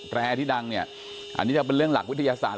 แรที่ดังเนี่ยอันนี้จะเป็นเรื่องหลักวิทยาศาสตร์